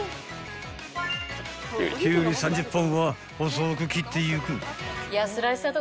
［キュウリ３０本は細く切っていく］